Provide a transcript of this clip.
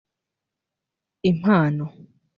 Impano